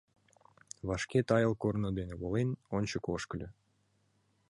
Вашке тайыл корно дене волен, ончыко ошкыльо.